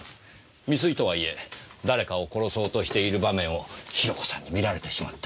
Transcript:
未遂とはいえ誰かを殺そうとしている場面をヒロコさんに見られてしまった。